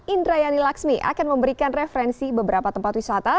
indrayani laksmi akan memberikan referensi beberapa tempat wisata